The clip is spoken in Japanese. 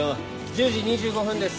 １０時２５分です。